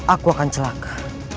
aku akan celaka